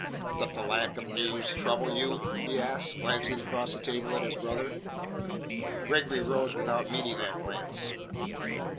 "Doth the lack of news trouble you?" he asked, glancing across the table at his brother. Gregory rose without meeting that glance.